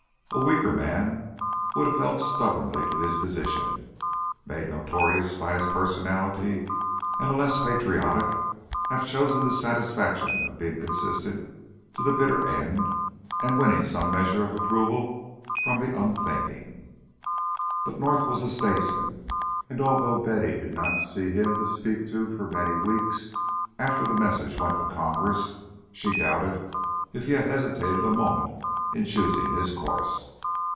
A weaker man would have held stubbornly to his position, made notorious by his personality, and a less patriotic have chosen the satisfaction of being consistent to the bitter end and winning some measure of approval from the unthinking. But North was a statesman, and although Betty did not see him to speak to for many weeks after the Message went to Congress, she doubted if he had hesitated a moment in choosing his course.